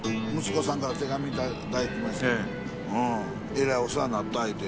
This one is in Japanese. えらいお世話になったいうて。